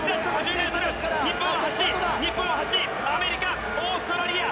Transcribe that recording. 日本は８位、アメリカ、オーストラリア。